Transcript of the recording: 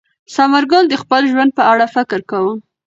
ثمر ګل د خپل ژوند په اړه فکر کاوه.